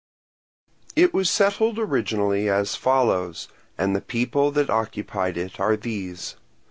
It was settled originally as follows, and the peoples that occupied it are these.